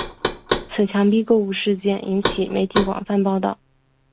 此强逼购物事件引起媒体广泛报道。